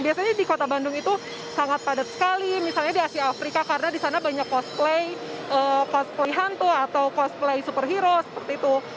biasanya di kota bandung itu sangat padat sekali misalnya di asia afrika karena di sana banyak cosplay cosplay hantu atau cosplay superhero seperti itu